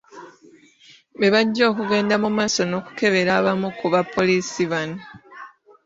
Be bajja okugenda mu maaso n’okukebera abamu ku bapoliisi bano.